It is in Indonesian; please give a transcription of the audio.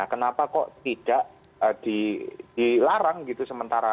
kenapa kok tidak dilarang gitu sementara